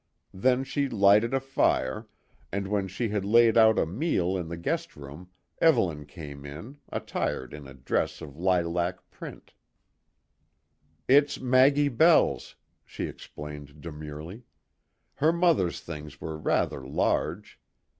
Then she lighted a fire, and when she had laid out a meal in the guest room, Evelyn came in, attired in a dress of lilac print. "It's Maggie Bell's," she explained demurely. "Her mother's things were rather large.